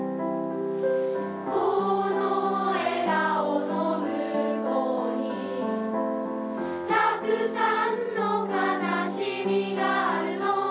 「この笑顔の向こうにたくさんの悲しみがあるの」